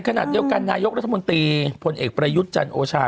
การนายกรัฐมนตรีพลเอกประยุทธ์จันทร์โอชา